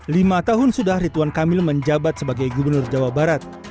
lima tahun sudah rituan kamil menjabat sebagai gubernur jawa barat